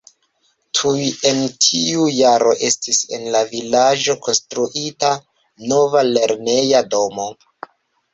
Tuj en tiu jaro estis en la vilaĝo konstruita nova lerneja domo.